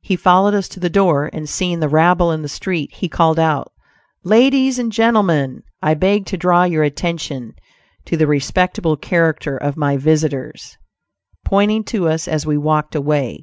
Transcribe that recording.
He followed us to the door, and seeing the rabble in the street, he called out, "ladies and gentlemen, I beg to draw your attention to the respectable character of my visitors," pointing to us as we walked away.